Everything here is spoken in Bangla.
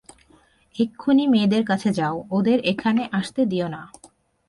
এক্ষুণি মেয়েদের কাছে যাও ওদের এখানে আসতে দিও না।